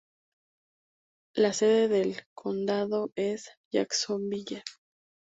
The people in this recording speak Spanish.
La sede del condado es Jacksonville.